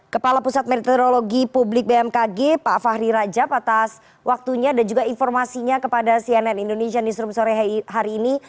kepala pusat meteorologi publik bmkg pak fahri rajab atas waktunya dan juga informasinya kepada cnn indonesia newsroom sore hari ini